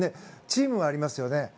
チームもありますよね。